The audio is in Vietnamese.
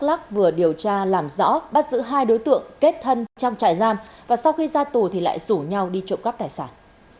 đắk lắc vừa điều tra làm rõ bắt giữ hai đối tượng kết thân trong trại giam và sau khi ra tù thì lại rủ nhau đi trộm cắp tài sản